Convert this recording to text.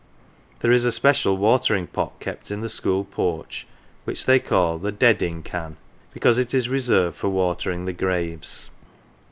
There is a special watering pot kept in the school porch which they call " the deading can," because it is reserved for watering the graves.